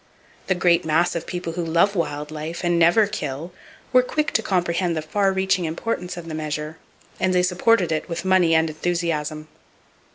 The great mass of people who love wild life, and never kill, were quick to comprehend the far reaching importance of the measure, and they supported it, with money and enthusiasm.